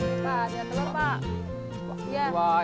ini ada telur pak